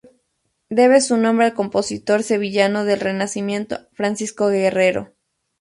Debe su nombre al compositor sevillano del Renacimiento Francisco Guerrero.